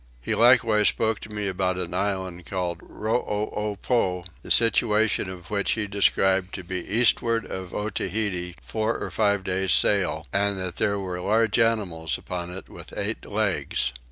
He likewise spoke to me about an island called Rooopow, the situation of which he described to be to the eastward of Otaheite four or five days sail, and that there were large animals upon it with eight legs.